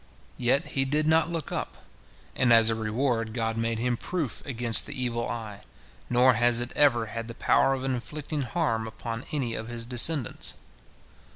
Yet he did not look up, and as a reward God made him proof against the evil eye, nor has it ever had the power of inflicting harm upon any of his descendants.